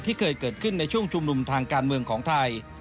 เคยเกิดขึ้นในช่วงชุมนุมทางการเมืองของไทย